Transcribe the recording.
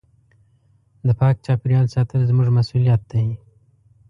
د پاک چاپېریال ساتل زموږ مسؤلیت دی.